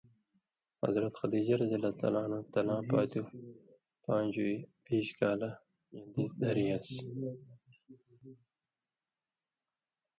حضرت خدیجہ رض تلاں پاتُو پان٘ژویی بیش کالہ ژن٘دیۡ دھریسیۡ؛